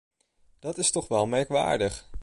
Dat is toch wel merkwaardig!